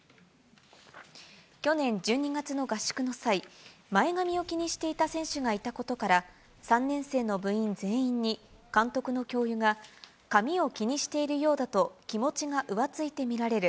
去年１２月の合宿の際、前髪を気にしていた選手がいたことから、３年生の部員全員に、監督の教諭が、髪を気にしているようだと気持ちが浮ついて見られる。